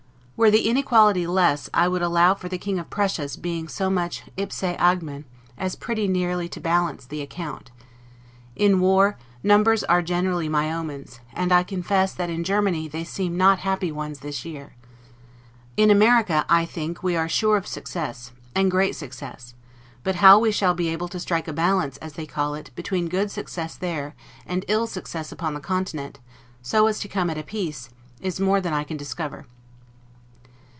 Were the inequality less, I would allow for the King of Prussia's being so much 'ipse agmen' as pretty nearly to balance the account. In war, numbers are generally my omens; and, I confess, that in Germany they seem not happy ones this year. In America. I think, we are sure of success, and great success; but how we shall be able to strike a balance, as they call it, between good success there, and ill success upon the continent, so as to come at a peace; is more than I can discover.